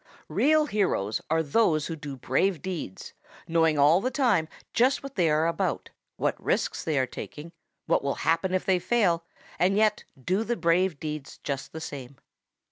|REAL heroes are those who do brave deeds, knowing all the time just what they are about, what risks they are taking, what will happen if they fail, and yet do the brave deeds just the same.